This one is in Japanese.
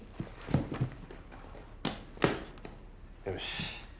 よし。